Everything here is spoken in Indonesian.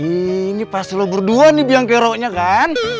ini pasti lu berdua nih biang geroknya kan